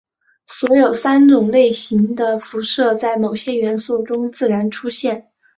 所有三种类型的辐射在某些元素中自然出现。